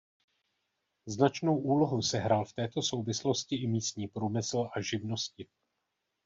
Značnou úlohu sehrál v této souvislosti i místní průmysl a živnosti.